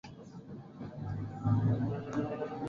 Nini Watu Fulani Huanza Kutumia Dawa za Kulevya